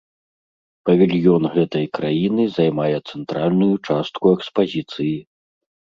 Павільён гэтай краіны займае цэнтральную частку экспазіцыі.